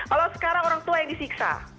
kalau sekarang orang tua yang disiksa